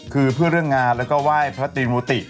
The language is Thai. คือเพื่อเรื่องงานแล้วก็ไหว้พระตรีมุติ